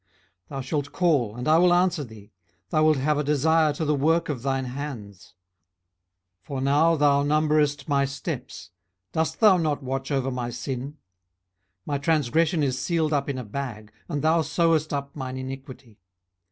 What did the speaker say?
18:014:015 Thou shalt call, and I will answer thee: thou wilt have a desire to the work of thine hands. 18:014:016 For now thou numberest my steps: dost thou not watch over my sin? 18:014:017 My transgression is sealed up in a bag, and thou sewest up mine iniquity.